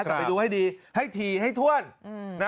แต่ไปดูให้ดีให้ถี่ให้ถ้วน